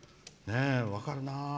分かるな。